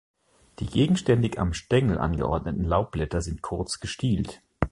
Die gegenständig am Stängel angeordneten Laubblätter sind kurz gestielt.